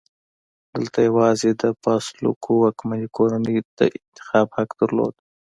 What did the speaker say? دلته یوازې د فاسولوکو واکمنې کورنۍ د انتخاب حق درلود.